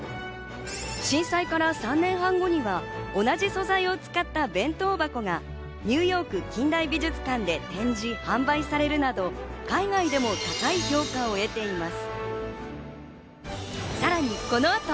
震災から３年半後には同じ素材を使った弁当箱がニューヨーク近代美術館で展示・販売されるなど海外でも高い評価を得ています。